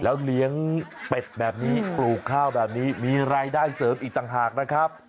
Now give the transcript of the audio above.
แล้วเลี้ยงเป็ดแบบนี้ปลูกข้าวแบบนี้มีรายได้เสริมอีกต่างหากนะครับ